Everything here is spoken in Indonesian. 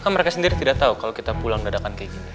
mereka sendiri tidak tau kalo kita pulang dadakan kayak gini